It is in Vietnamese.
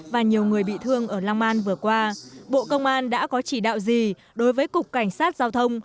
và nhiều người bị thương ở long an vừa qua bộ công an đã có chỉ đạo gì đối với cục cảnh sát giao thông